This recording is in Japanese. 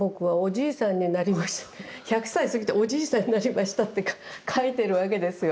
１００歳過ぎて「おじいさんになりました」って書いてるわけですよ。